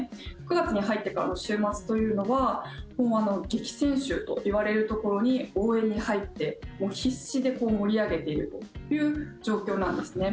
９月に入ってからの週末というのは激戦州といわれるところに応援に入って必死で盛り上げているという状況なんですね。